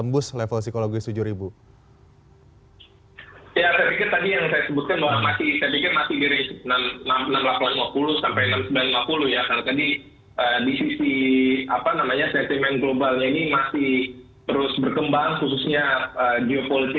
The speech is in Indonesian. bisa bisa saja membatasi